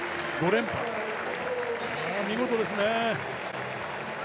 ５連覇、見事ですね。